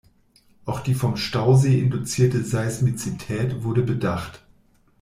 Auch die vom Stausee induzierte Seismizität wurde bedacht.